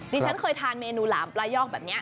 ดิฉันเคยทานเมนูหลามปลายอกแบบนี้